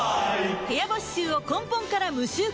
部屋干し臭を根本から無臭化